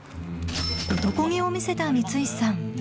男気を見せた光石さん